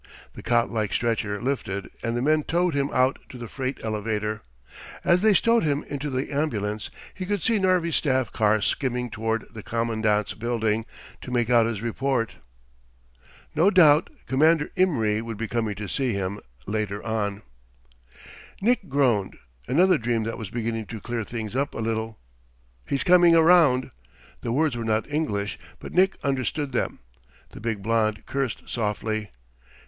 The cot like stretcher lifted and the men towed him out to the freight elevator. As they stowed him into the ambulance, he could see Narvi's staff car skimming toward the Commandant's building to make out his report. No doubt Commandant Imry would be coming to see him, later on. Nick groaned. Another dream that was beginning to clear things up a little... "He's coming around." The words were not English, but Nick understood them. The big blond cursed softly.